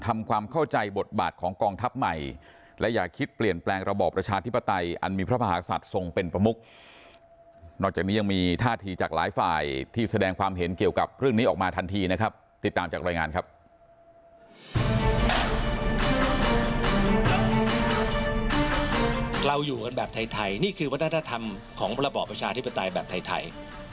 เราอยู่กันแบบไทยนี่คือวัฒนธรรมของระบอบประชาธิปไตยแบบไทย